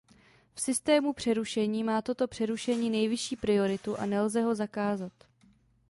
V systému přerušení má toto přerušení nejvyšší prioritu a nelze ho zakázat.